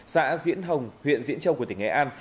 xã diễn hồng huyện diễn châu của tỉnh nghệ an